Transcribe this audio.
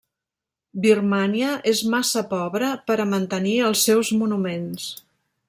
Birmània és massa pobra per a mantenir els seus monuments.